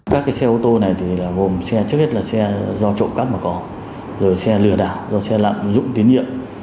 các xe ô tô này thì gồm xe trước hết là xe do trộm cắt mà có rồi xe lừa đảo do xe lạm dụng tín nhiệm